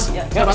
saya bantu mas